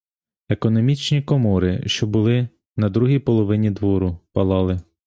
Економічні комори, що були на другій половині двору, палали.